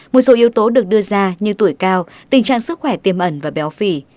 một số yếu tố được đưa ra như tuổi cao tình trạng sức khỏe tiêm ẩn và béo phỉ